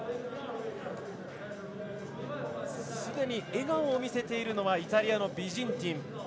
すでに笑顔を見せているのはイタリアのビジンティン。